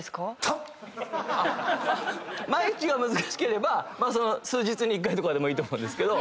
毎日が難しければ数日に１回とかでもいいと思うんですけど。